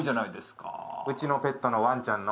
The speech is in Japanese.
うちのペットのワンちゃんの。